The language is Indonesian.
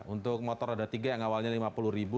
untuk motor roda tiga yang awalnya rp lima puluh